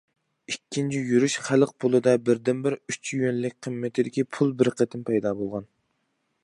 ئىككىنچى يۈرۈش خەلق پۇلىدا بىردىنبىر ئۈچ يۈەنلىك قىممىتىدىكى پۇل بىر قېتىم پەيدا بولغان.